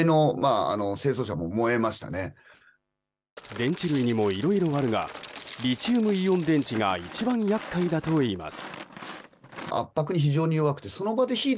電池類にもいろいろあるがリチウムイオン電池が一番厄介だといいます。